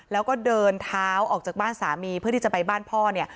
แล้วก็เดินเท้าออกจากบ้านสามีเพื่อที่จะไปบ้านพ่อเนี่ย